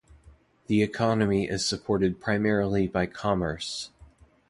The economy is supported primarily by commerce.